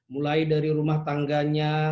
mulai dari rumah tangganya